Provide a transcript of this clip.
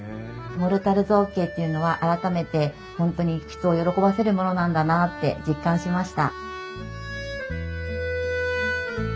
モルタル造形っていうのは改めて本当に人を喜ばせるものなんだなって実感しました。